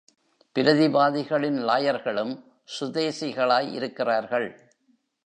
பிரதிவாதிகளின் லாயர்களும் சுதேசிகளாய் இருக்கிறார்கள்.